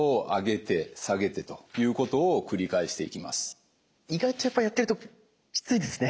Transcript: その次に意外とやっぱりやってるときついですね。